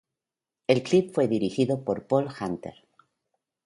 El clip fue dirigido por Paul Hunter.